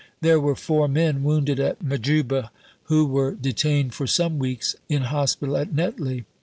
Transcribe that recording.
There were four men, wounded at Majuba, who were detained for some weeks in hospital at Netley.